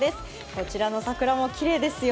こちらの桜もきれいですよ。